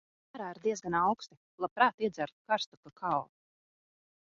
Ārā ir diezgan auksti. Labprāt iedzertu karstu kakao.